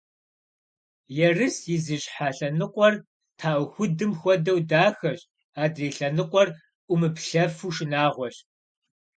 Ерыс и зы щхьэ лъэныкъуэр тхьэӏухудым хуэдэу дахэщ, адрей лъэныкъуэр уӏумыплъэфу шынагъуащ.